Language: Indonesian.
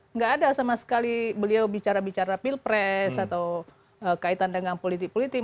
nggak ada sama sekali beliau bicara bicara pilpres atau kaitan dengan politik politik